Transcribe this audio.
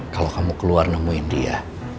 kalau kamu keluar nemuin dia